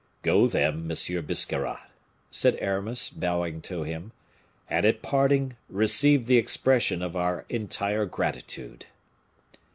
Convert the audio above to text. "Go, then, Monsieur Biscarrat," said Aramis, bowing to him, "and at parting receive the expression of our entire gratitude."